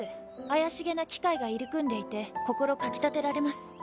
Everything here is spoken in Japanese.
怪しげな機械が入り組んでいて心かき立てられます